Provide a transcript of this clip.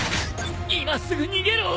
今すぐ逃げろ！